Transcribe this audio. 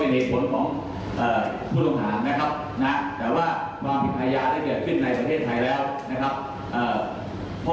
เมื่อวานชั่วปลายพ่อก็ยังไม่ยอมรับสารภาพ